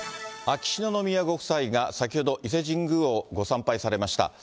秋篠宮ご夫妻が先ほど、伊勢神宮をご参拝されました。